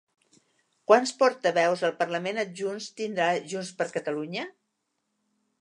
Quants portaveus al parlament adjunts tindrà Junts per Catalunya?